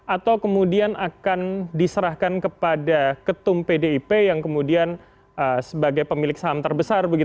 atau kemudian akan diserahkan kepada ketum pdip yang kemudian sebagai pemilik saham terbesar